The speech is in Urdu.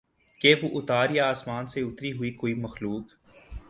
کہ وہ اوتار یا آسمان سے اتری ہوئی کوئی مخلوق